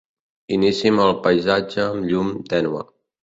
Inici amb el paisatge amb llum tènue.